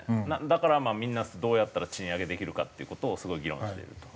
だからみんなどうやったら賃上げできるかっていう事をすごい議論していると。